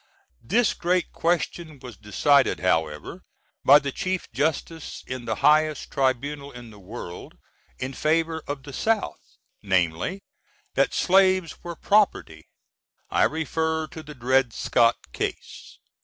This great quest. was decided, however, by the Chief Justice in the highest Tribunal in the world, in favor of the South; viz. that slaves were property. I refer to the "Dred Scott" Case.